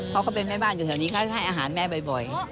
เพราะเขาเป็นแม่บ้านอยู่แถวนี้เขาให้อาหารแม่บ่อย